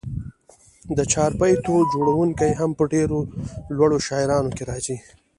د چاربیتو جوړوونکي هم په ډېرو لوړو شاعرانو کښي راځي.